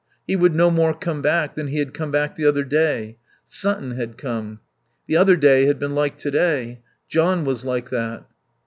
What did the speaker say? He would no more come back than he had come back the other day. Sutton had come. The other day had been like to day. John was like that.